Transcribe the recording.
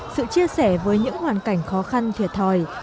sự chia sẻ với những hoàn cảnh khó khăn thiệt thòi